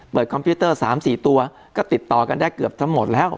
คอมพิวเตอร์๓๔ตัวก็ติดต่อกันได้เกือบทั้งหมดแล้ว